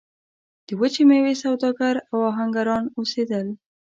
د وچې میوې سوداګر او اهنګران اوسېدل.